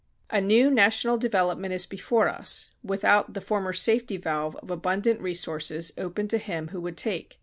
[280:1] A new national development is before us without the former safety valve of abundant resources open to him who would take.